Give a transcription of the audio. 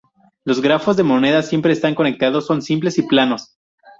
Los grafos de monedas siempre están conectados, son simples, y planos.